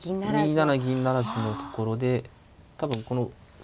２七銀不成のところで多分このそうですね